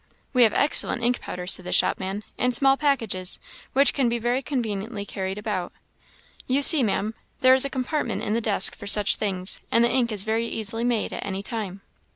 "We have excellent ink powder," said the shopman, "in small packages, which can be very conveniently carried about. You see, Maam, there is a compartment in the desk for such things; and the ink is very easily made at any time."